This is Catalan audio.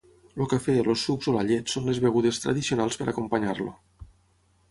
El cafè, els sucs o la llet són les begudes tradicionals per a acompanyar-lo.